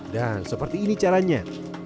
dan seperti ini caranya